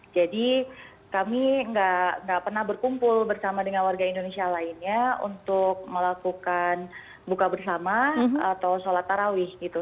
jadi kami nggak pernah berkumpul bersama dengan warga indonesia lainnya untuk melakukan buka bersama atau sholat tarawih gitu